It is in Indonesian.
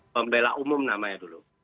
pembelak umum namanya dulu